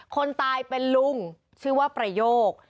คนตายเป็นลุงชื่อว่าประโยค